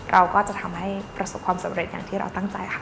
เราก็จะทำให้ประสบความสำเร็จอย่างที่เราตั้งใจค่ะ